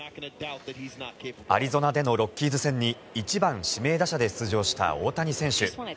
アリゾナでのロッキーズ戦に１番指名打者で出場した大谷選手。